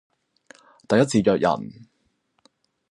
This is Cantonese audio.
第一次約人